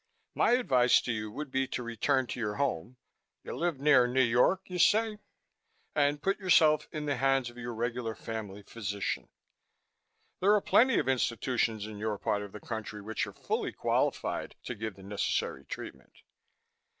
My advice to you would be to return to your home you live near New York, you say and put yourself in the hands of your regular family physician. There are plenty of institutions in your part of the country which are fully qualified to give the necessary treatment.